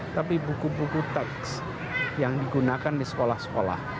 tapi buku buku teks yang digunakan di sekolah sekolah